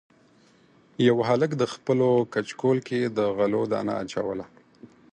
یوه هلک د خپلو کچکول کې د غلو دانه اچوله.